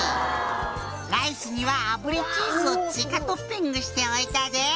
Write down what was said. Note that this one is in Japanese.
「ライスには炙りチーズを追加トッピングしておいたぜ」